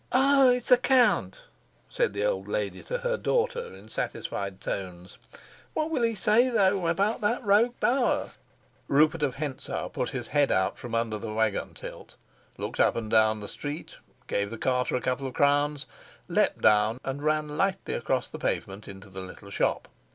"Ah, it's the count!" said the old lady to her daughter in satisfied tones. "What will he say, though, about that rogue Bauer?" Rupert of Hentzau put his head out from under the wagon tilt, looked up and down the street, gave the carter a couple of crowns, leapt down, and ran lightly across the pavement into the little shop.